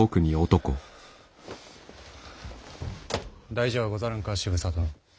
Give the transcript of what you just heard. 大事はござらんか渋沢殿。